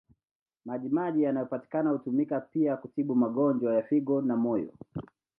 Maji maji yanayopatikana hutumika pia kutibu magonjwa ya figo na moyo.